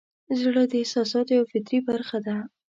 • ژړا د احساساتو یوه فطري برخه ده.